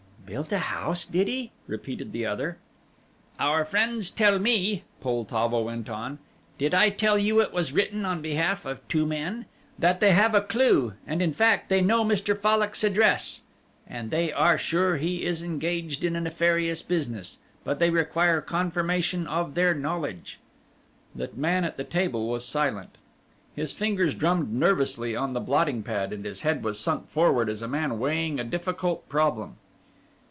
"Built a house, did he?" repeated the other. "Our friends tell me," Poltavo went on, "did I tell you it was written on behalf of two men? that they have a clue and in fact that they know Mr. Fallock's address, and they are sure he is engaged in a nefarious business, but they require confirmation of their knowledge." The man at the table was silent. His fingers drummed nervously on the blotting pad and his head was sunk forward as a man weighing a difficult problem.